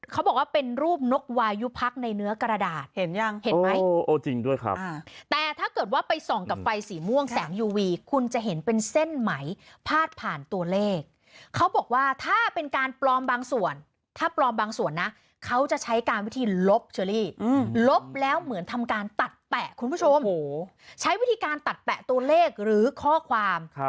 คุณผู้ชมใช้วิธีการตัดแตะตัวเลขหรือข้อความ